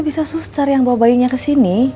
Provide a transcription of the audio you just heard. bisa sustar yang bawa bayinya kesini